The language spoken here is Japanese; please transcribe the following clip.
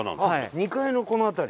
２階のこの辺り。